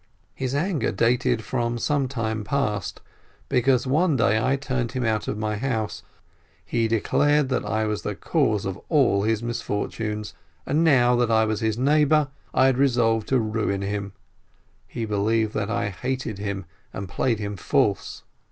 His anger dated from some time past, because one day I turned him out of my house; he declared that I was the cause of all his misfortunes, and now that I was his neighbor, I had resolved to ruin him; he believed that I hated him and played him false.